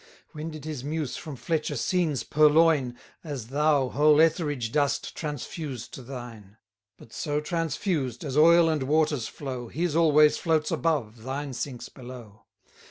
When did his muse from Fletcher scenes purloin, As thou whole Etheridge dost transfuse to thine? But so transfused, as oil and waters flow, His always floats above, thine sinks below.